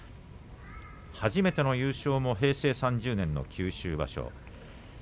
初めての優勝も平成３０年の九州場所。